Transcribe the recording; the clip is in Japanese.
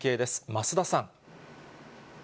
増田さん。